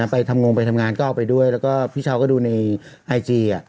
ไปทำงงไปทำงานก็เอาไปด้วยแล้วก็พี่เช้าก็ดูในไอจี